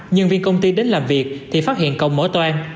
nhân viên công ty đến làm việc thì phát hiện cồng mỏ toan